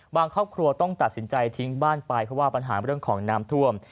ครอบครัวต้องตัดสินใจทิ้งบ้านไปเพราะว่าปัญหาเรื่องของน้ำท่วม